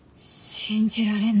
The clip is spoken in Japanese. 信じられない！